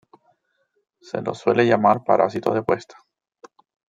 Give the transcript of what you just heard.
Se los suele llamar parásitos de puesta.